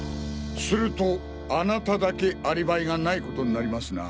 するとあなただけアリバイがない事になりますな。